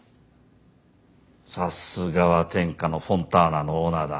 さすがは天下のフォンターナのオーナーだ。